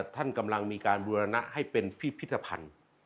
ท่านกำลังมีการบูรณะให้เป็นพิพิธภัณฑ์